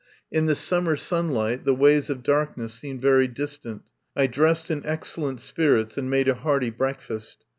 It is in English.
In the summer sunlight the ways of darkness seemed very distant. I dressed in excellent spirits and made a hearty breakfast.